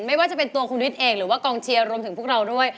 ไม่ว่าจะเป็นตัวคุณวิทย์เองหรือว่ากองเชียร์รวมถึงพวกเราด้วย